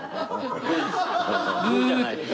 ブーじゃないです。